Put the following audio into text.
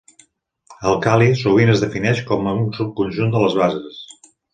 Àlcali sovint es defineix com un subconjunt de les bases.